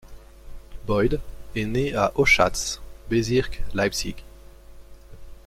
Boyde est né à Oschatz, Bezirk Leipzig.